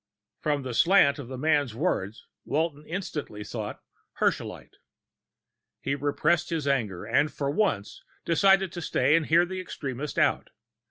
From the slant of the man's words Walton instantly thought: Herschelite! He repressed his anger and, for once, decided to stay and hear the extremist out.